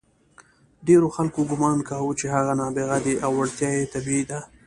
ډېرو خلکو ګمان کاوه چې هغه نابغه دی او وړتیا یې طبیعي ده.